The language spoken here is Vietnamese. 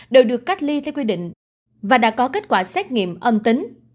đều được cách ly theo quy định và đã có kết quả xét nghiệm âm tính